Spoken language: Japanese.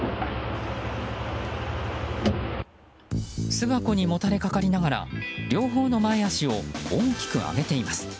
巣箱にもたれかかりながら両方の前足を大きく上げています。